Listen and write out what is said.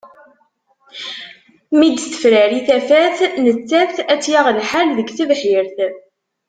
Mi d-tefrari tafat, nettat ad tt-yaɣ lḥal deg tebḥirt.